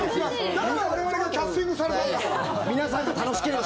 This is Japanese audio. だから我々がキャスティングされたんだから。